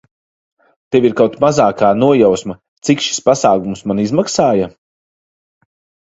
Tev ir kaut mazākā nojausma, cik šis pasākums man izmaksāja?